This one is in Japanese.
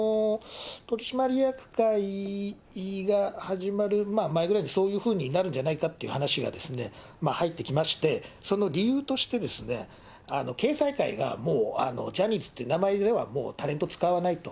取締役会が始まる前ぐらいに、そういうふうになるんじゃないかという話が入ってきまして、その理由として、経済界がもうジャニーズという名前ではタレント使わないと。